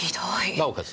なおかつ